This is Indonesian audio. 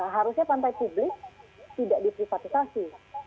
harusnya pantai publik tidak diprivatisasi